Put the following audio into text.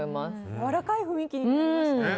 やわらかい雰囲気になりましたよね。